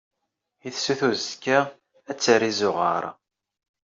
i tsuta uzekka, ad terr izuɣaṛ.